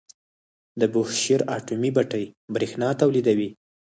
د بوشهر اټومي بټۍ بریښنا تولیدوي.